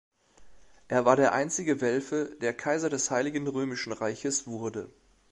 Er war der einzige Welfe, der Kaiser des Heiligen Römischen Reiches wurde.